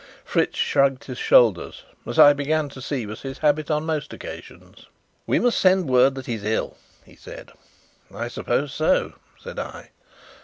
Fritz shrugged his shoulders, as I began to see was his habit on most occasions. "We must send word that he's ill," he said. "I suppose so," said I.